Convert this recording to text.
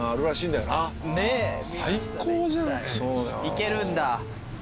行けるんだ。